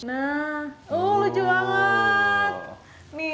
nah oh lucu banget